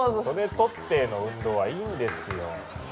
「それ取って」の運動はいいんですよ。